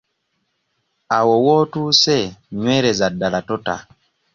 Awo w'otuuse nywereza ddala tota.